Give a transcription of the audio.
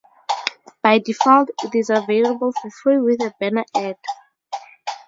By default, it is available for free with a banner ad.